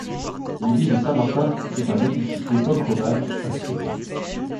L'église de Saint-Martin est un édifice d'époque romane, à siècles.